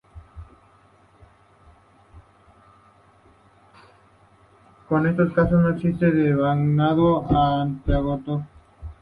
En estos casos no existe devanado amortiguador.